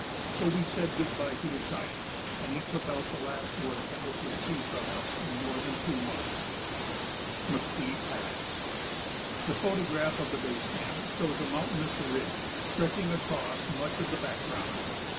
So we said good by to Esaias, and he took out the last word that was received from us in more than two months. [Sidenote: McPhee Pass] The photograph of the base camp shows a mountainous ridge stretching across much of the background.